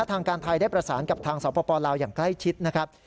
ทางการไทยได้ประสานกับทางสปลาวอย่างใกล้ชิดนะครับ